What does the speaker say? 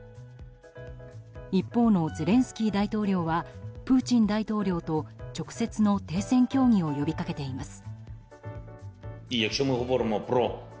一方のゼレンスキー大統領はプーチン大統領と直接の停戦協議を呼びかけています。